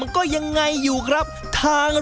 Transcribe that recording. มันก็ยังไงอยู่ครับทาง